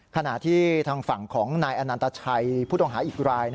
ขณะที่ทางฝั่งของนายอนันตชัยผู้ต้องหาอีกราย